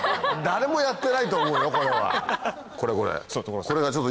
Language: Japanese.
誰もやってないと思うよこれは。